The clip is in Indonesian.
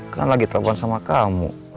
kan lagi telpon sama kamu